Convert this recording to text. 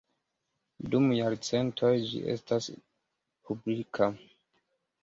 Dum jarcentoj ĝi estas publika.